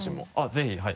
ぜひはい。